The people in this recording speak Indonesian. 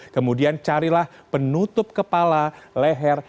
kemudian carilah penutup kepala leher